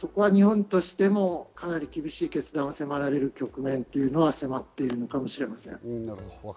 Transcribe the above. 日本としてもかなり厳しい決断を迫られる局面に迫っているのかもしれません。